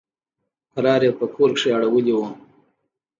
کرار يې په کور کښې اړولي وو.